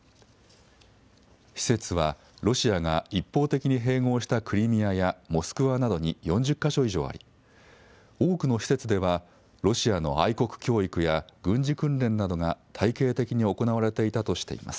施設はロシアが一方的に併合したクリミアやモスクワなどに４０か所以上あり、多くの施設ではロシアの愛国教育や軍事訓練などが体系的に行われていたとしています。